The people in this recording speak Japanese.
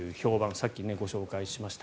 さっきご紹介しました。